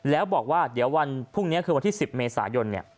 แล้วบอกว่าเดี๋ยววันพรุ่งนี้คือวันที่๑๐เมษายน